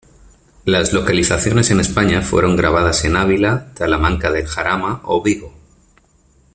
Las localizaciones en España fueron grabadas en Ávila, Talamanca del Jarama o Vigo.